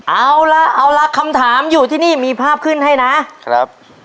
เอาล่ะเอาล่ะคำถามอยู่ที่นี่มีภาพขึ้นให้นะครับ